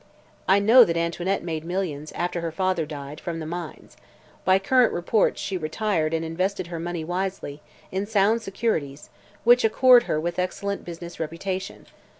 "I know that Antoinette made millions, after her father died, from the mines. By current report she retired and invested her money wisely, in sound securities, which accords with her excellent business reputation.